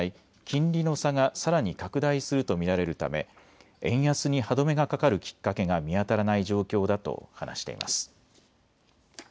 金利の差がさらに拡大すると見られるため円安に歯止めがかかるきっかけが見当たらない状況だと話しています。